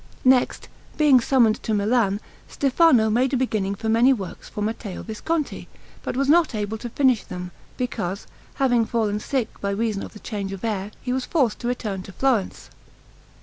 Next, being summoned to Milan, Stefano made a beginning for many works for Matteo Visconti, but was not able to finish them, because, having fallen sick by reason of the change of air, he was forced to return to Florence.